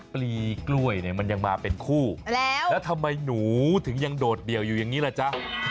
ปลีกล้วยเนี่ยมันยังมาเป็นคู่แล้วแล้วทำไมหนูถึงยังโดดเดี่ยวอยู่อย่างนี้ล่ะจ๊ะ